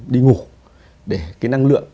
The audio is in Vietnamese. đi ngủ để cái năng lượng